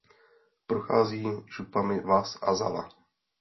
Prochází župami Vas a Zala.